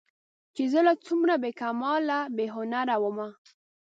چې زه لا څومره بې کماله بې هنره ومه